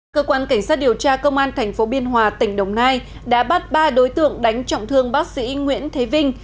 cơ quan cảnh sát điều tra công an tp biên hòa tỉnh đồng nai đã bắt ba đối tượng đánh trọng thương bác sĩ nguyễn thế vinh